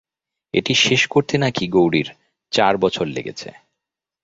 এটি শেষ করতে নাকি গৌরীর চার বছর লেগেছে।